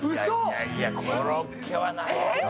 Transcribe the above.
いやいやコロッケはないよ。